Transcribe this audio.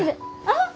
あっ！